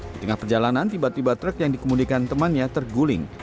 di tengah perjalanan tiba tiba truk yang dikemudikan temannya terguling